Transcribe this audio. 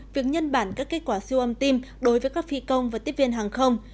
việc nhân bản các kết quả siêu âm tim đối với các phi công và tiếp viên hàng không